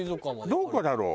どこだろう？